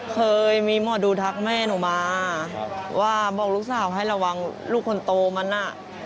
เคยมีหมอดูทักแม่หนูมาว่าบอกลูกสาวให้ระวังลูกคนโตมันอ่ะ